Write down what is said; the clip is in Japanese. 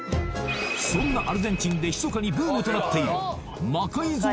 そんなアルゼンチンでひそかにブームとなっている魔改造